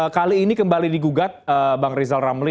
kali ini kembali digugat bang rizal ramli